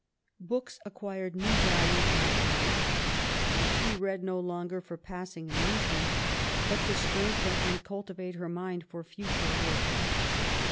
Books acquired new value in her eyes. She read no longer for passing amusement, but to strengthen and cultivate her mind for future work.